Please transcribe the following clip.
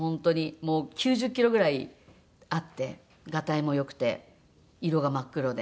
もう９０キロぐらいあってがたいも良くて色が真っ黒で。